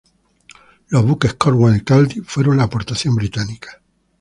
Los buques "Cornwall" y "Cardiff" fueron la aportación británica.